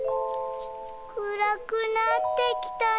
「くらくなってきたね」。